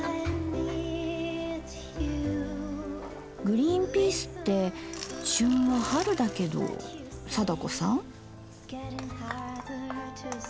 グリーンピースって旬は春だけど貞子さん？